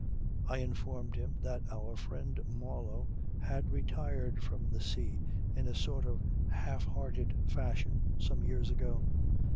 I informed him that our friend Marlow had retired from the sea in a sort of half hearted fashion some years ago.